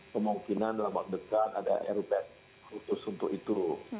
kemungkinan dalam waktu dekat ada airbase khusus untuk itu